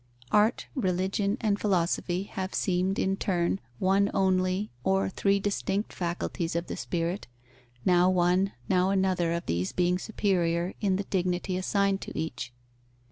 Art, religion, and philosophy have seemed in turn one only, or three distinct faculties of the spirit, now one, now another of these being superior in the dignity assigned to each.